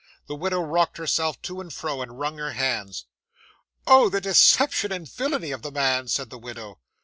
The widow rocked herself to and fro, and wrung her hands. '"Oh, the deception and villainy of the man!" said the widow.